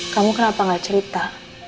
kamu kenapa gak cerita